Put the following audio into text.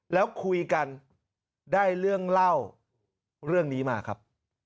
แล้วคุยกันได้เรื่องเล่าเรื่องนี้มาครับ